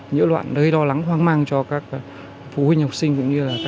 những loạn đối đo lắng hoang mang cho các phụ huynh học sinh